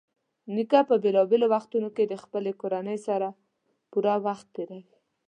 نیکه په بېلابېلو وختونو کې د خپلې کورنۍ سره پوره وخت تېروي.